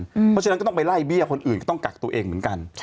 เพราะฉะนั้นก็ต้องไปไล่เบี้ยคนอื่นก็ต้องกักตัวเองเหมือนกัน